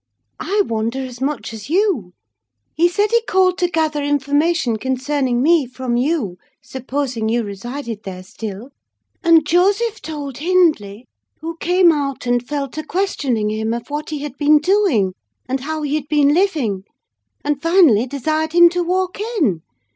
"I wonder as much as you. He said he called to gather information concerning me from you, supposing you resided there still; and Joseph told Hindley, who came out and fell to questioning him of what he had been doing, and how he had been living; and finally, desired him to walk in.